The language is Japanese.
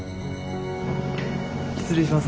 失礼します。